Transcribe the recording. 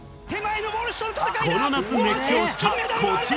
この夏熱狂したこちら。